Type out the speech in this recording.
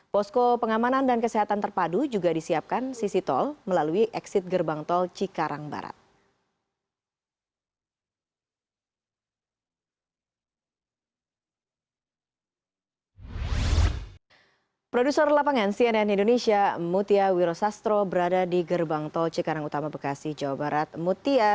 posko pengamanan dan kesehatan terpadu juga disiapkan sisi tol melalui exit gerbang tol cikarang barat